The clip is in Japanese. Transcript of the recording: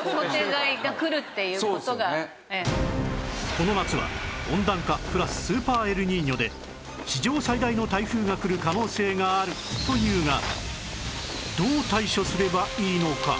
この夏は温暖化プラススーパーエルニーニョで史上最大の台風が来る可能性があるというがどう対処すればいいのか？